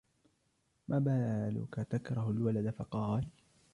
مَا بَالُك تَكْرَهُ الْوَلَدَ ؟ فَقَالَ